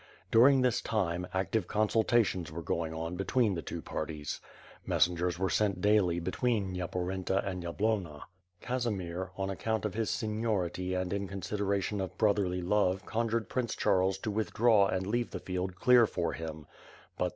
During this time, active consultations were going on between the two parties. Messengers were sent daily between Nyeporenta and Yab lonna. Casimir, on account of his seniority and in con sideration of brotherly love conjured Prince Charles 10 with draw and leave the field clear for him, but the